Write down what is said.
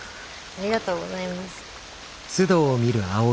ありがとうございます。